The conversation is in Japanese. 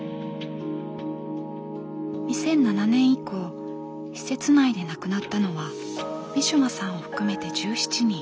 ２００７年以降施設内で亡くなったのはウィシュマさんを含めて１７人。